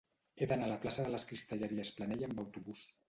He d'anar a la plaça de les Cristalleries Planell amb autobús.